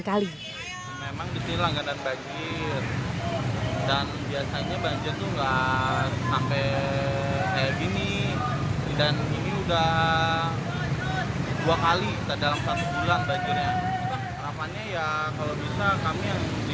sejajar dengan aliran kali